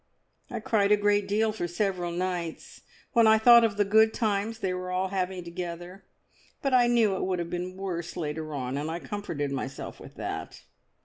I cried a great deal for several nights when I thought of the good times they were all having together; but I knew it would have been worse later on, and I comforted myself with that.